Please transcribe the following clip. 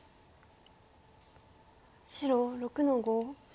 白６の五。